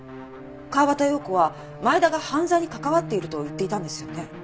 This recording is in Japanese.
川端葉子は前田が犯罪に関わっていると言っていたんですよね？